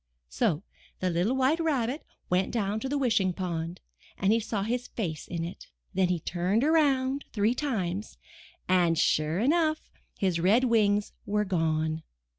So the little White Rabbit went down to the Wish ing Pond and he saw his face in it. Then he turned around three times, and, sure enough, his red wings were gone.